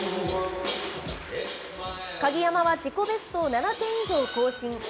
鍵山は自己ベストを７点以上更新。